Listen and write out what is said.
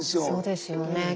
そうですよね。